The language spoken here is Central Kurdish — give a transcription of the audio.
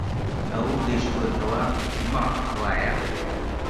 ئەو گەیشتووەتەوە ماڵ، وایە؟